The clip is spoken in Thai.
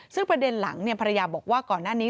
ซึ่งประเด็นหลังภรรยาบอกว่าก่อนหน้านี้